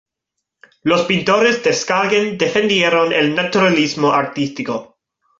Los pintores de Skagen defendieron el Naturalismo artístico.